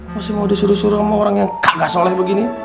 masih mau disuruh suruh sama orang yang kagak soleh begini